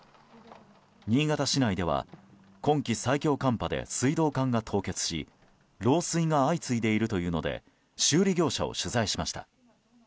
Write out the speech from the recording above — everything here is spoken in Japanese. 新潟市内では今季最強寒波で水道管が凍結し漏水が相次いでいるというので修理業者を取材しました。